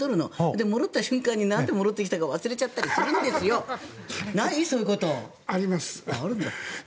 で、戻った瞬間になんで戻ってきたか忘れちゃったりするんですよ。あります。